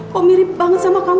pemirip banget sama kamu